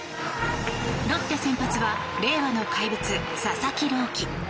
ロッテ先発は令和の怪物佐々木朗希。